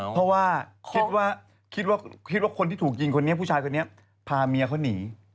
เพราะว่าคิดว่าคิดว่าคนที่ถูกยิงคนนี้ผู้ชายคนนี้พาเมียเขาหนี